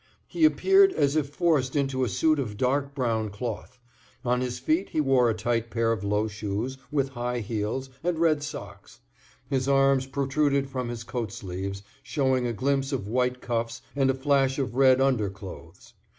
He appeared as if forced into a suit of dark brown cloth; on his feet he wore a tight pair of low shoes, with high heels, and red socks; his arms protruded from his coat sleeves, showing a glimpse of white cuffs and a flash of red under clothes.